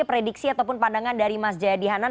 prediksi ataupun pandangan dari mas jaya dihanan